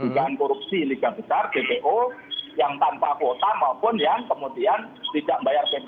tugas korupsi lidah besar ppu yang tanpa kuota maupun yang kemudian tidak membayar ppn tadi